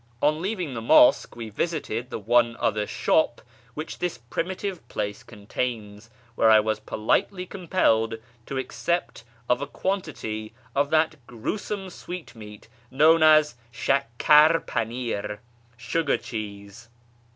On leaving the mosque we visited the one other shop which this primitive place contains, where I was politely com pelled to accept of a quantity of that gruesome sweetmeat known as shakkar panir (" sugar cheese